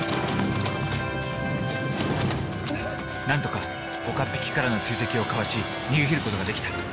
何とか岡っ引きからの追跡をかわし逃げきる事ができた。